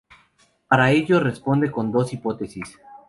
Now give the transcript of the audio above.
Para ello responde con dos hipótesis.